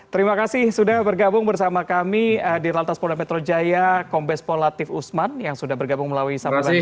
terima kasih sudah bergabung bersama kami di lantas polda metro jaya kombes pol latif usman yang sudah bergabung melalui sambungan zoom